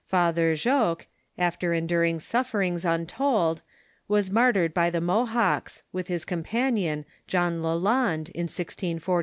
Father Jogues, after endur ing sufferings untold, was martyred by the Mohawks, with his companion, John Lalande, in 1646.